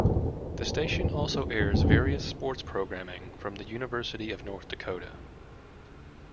The station also airs various sports programming from the University of North Dakota.